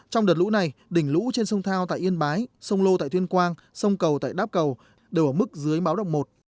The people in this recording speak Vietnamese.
trong đợt lũ này đỉnh lũ trên sông thao tại yên bái sông lô tại thuyên quang sông cầu tại đáp cầu đều ở mức dưới báo độc một